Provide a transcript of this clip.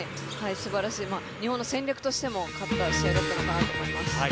すばらしい日本の戦略としても勝った試合だったのかなと思います。